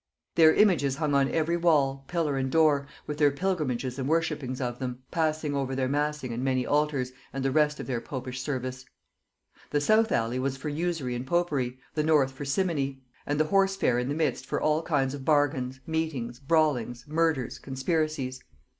Their images hung on every wall, pillar and door, with their pilgrimages and worshipings of them: passing over their massing and many altars, and the rest of their popish service. The south alley was for usury and popery, the north for simony; and the horse fair in the midst for all kind of bargains, meetings, brawlings, murders, conspiracies.